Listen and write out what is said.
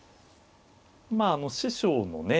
まあ師匠のね